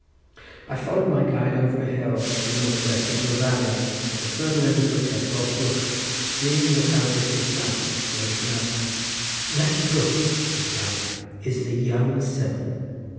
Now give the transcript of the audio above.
I followed my guide over a hill to the north west into a valley, at the farther end of which I saw a brook streaming apparently to the south, where was an outlet. "That brook," said the guide, "is the young Severn."